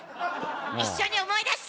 一緒に思い出して！